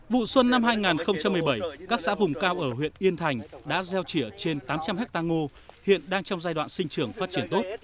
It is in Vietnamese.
vụ xuân năm hai nghìn một mươi bảy các xã vùng cao ở huyện yên thành đã gieo chỉa trên tám trăm linh hectare ngô hiện đang trong giai đoạn sinh trưởng phát triển tốt